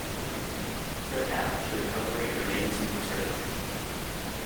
Their path to recovery remains uncertain.